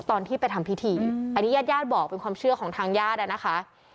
ตอนที่ไปทำพิธีอันนี้ญาติญาติบอกเป็นความเชื่อของทางญาตินะคะ